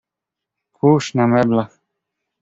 "Kurz na meblach."